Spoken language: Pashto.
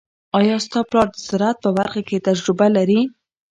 آیا ستا پلار د زراعت په برخه کې تجربه لري؟